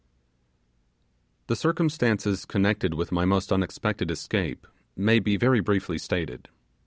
........ The circumstances connected with my most unexpected escape may be very briefly stated.